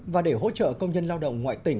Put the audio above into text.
và để hỗ trợ công nhân lao động ngoại tỉnh